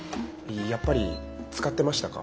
やっぱり使ってましたか？